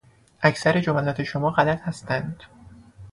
اکثر جملات شما غلط هستند.